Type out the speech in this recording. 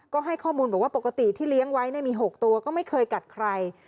ก็ให้ข้อมูลบอกว่าปกติที่เลี้ยงไว้มี๖ตัวก็ไม่เคยกัดใคร